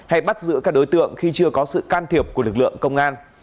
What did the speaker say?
hay bắt giữ các đối tượng khi chưa có sự can thiệp của lực lượng công an